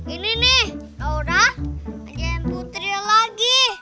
ini nih maura ngerjain putri lagi